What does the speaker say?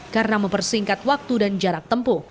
karena mempersingkat waktu dan jarak tempuh